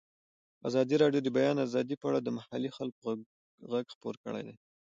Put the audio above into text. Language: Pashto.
ازادي راډیو د د بیان آزادي په اړه د محلي خلکو غږ خپور کړی.